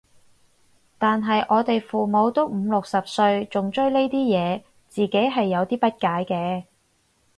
但係我哋父母都五六十歲仲追呢啲嘢，我自己係有啲不解嘅